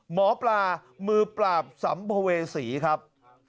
หมอปลามือปราบสัมภเวษีครับ